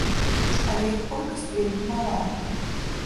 Але іх колькасць вельмі малая.